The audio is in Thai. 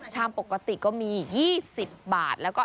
ชามปกติก็มี๒๐บาท